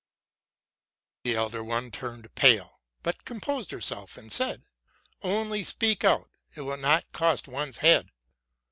'' The elder one turned pale, but composed herself, and said, '* Only speak out: it will not cost one's head!